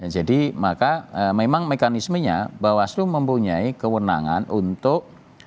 jadi maka memang mekanismenya bawaslu mempunyai kewenangan untuk